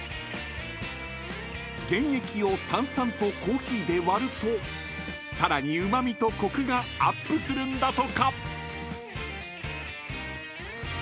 ［原液を炭酸とコーヒーで割るとさらにうま味とコクがアップするんだとか］